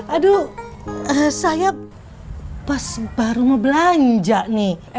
aduh saya pas baru mau belanja nih